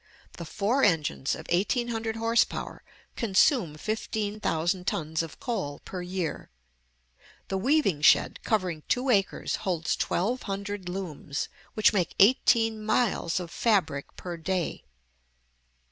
The four engines of eighteen hundred horse power consume fifteen thousand tons of coal per year. The weaving shed, covering two acres, holds twelve hundred looms, which make eighteen miles of fabric per day.